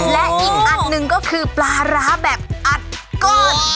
และอีกอันหนึ่งก็คือปลาร้าแบบอัดก้อน